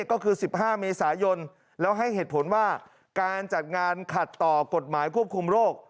ก็คือ๑๕เมษายนแล้วให้เหตุผลว่าการจัดงานขัดต่อกฎหมายควบคุมโรค